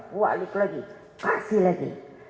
balik lagi kasih lagi